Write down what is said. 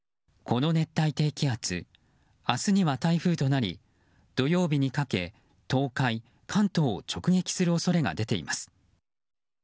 この熱帯低気圧明日には台風となり土曜日にかけ、東海、関東を直撃する恐れが出ています。